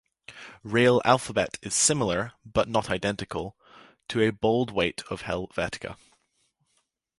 Rail Alphabet is similar, but not identical, to a bold weight of Helvetica.